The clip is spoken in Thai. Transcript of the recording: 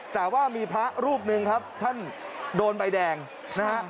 แต่ว่ามีพระรูปหนึ่งครับท่านโดนใบแดงนะฮะ